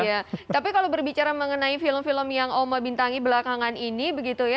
iya tapi kalau berbicara mengenai film film yang oma bintangi belakangan ini begitu ya